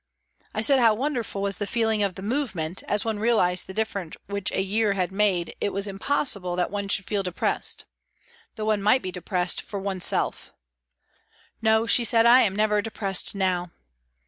I said how wonderful was the feeling of the move ment, as one realised the difference which a year had made it was impossible that one should feel depressed, though one might be depressed for one self. " No," she said, " I am never depressed now."